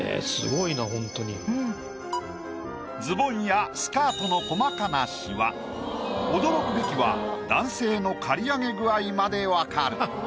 ええズボンやスカートの驚くべきは男性の刈り上げ具合まで分かる。